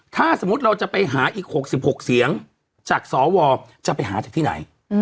ถ้าสมมุติเราจะไปหาอีก๖๖เสียงจากสวจะไปหาจากที่ไหน